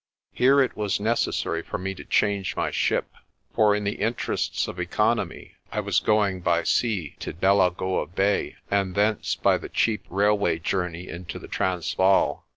Here it was necessary for me to change my ship, for in the interests of economy I was going by sea to Delagoa Bay, and thence by the cheap railway journey into the Transvaal.